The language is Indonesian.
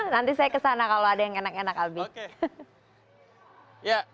nanti saya kesana kalau ada yang enak enak albi